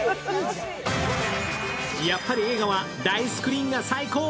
やっぱり映画は大スクリーンが最高。